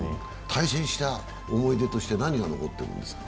対戦した思い出として何が残ってるんですか？